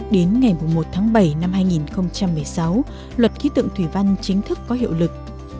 đến ngày một tháng bảy năm hai nghìn một mươi sáu luật khí tượng thủy văn chính thức có hiệu lực